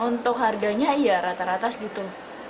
untuk harganya ya rata ratas gitu